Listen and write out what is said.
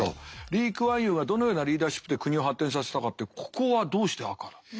リー・クアンユーがどのようなリーダーシップで国を発展させたかってここはどうして赤なんですか？